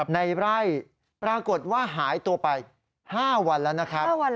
ในไร่ปรากฏว่าหายตัวไป๕วันแล้ว